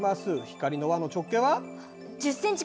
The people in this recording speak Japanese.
光の輪の直径は？